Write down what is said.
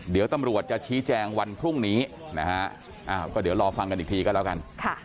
เดี๋ยวตำรวจจะชี้แจงวันพรุ่งนี้นะฮะก็เดี๋ยวรอฟังกันอีกทีก็แล้วกัน